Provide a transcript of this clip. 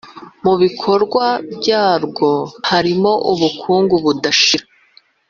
Mu bikorwa byabwo harimo ubukungu budashira,